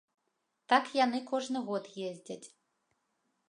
Так яны кожны год ездзяць.